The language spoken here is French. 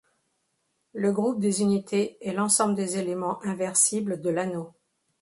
Le groupe des unités, est l'ensemble des éléments inversibles de l'anneau.